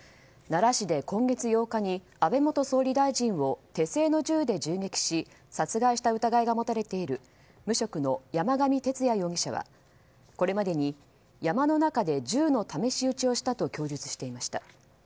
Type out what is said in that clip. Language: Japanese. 奈良市で今月８日に安倍元総理大臣を手製の銃で銃撃し殺害した疑いが持たれている無職の山上徹也容疑者はこれまでに山の中で銃の試し撃ちをしたと供述していました。